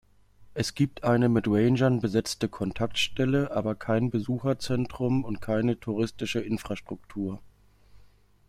Es gibt eine mit Rangern besetzte Kontaktstelle, aber kein Besucherzentrum und keine touristische Infrastruktur.